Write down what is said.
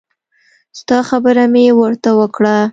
ستا خبره مې ورته وکړه.